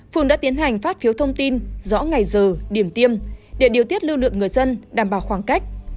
phường đã tiến hành phát phiếu thông tin rõ ngày giờ điểm tiêm để điều tiết lưu lượng người dân đảm bảo khoảng cách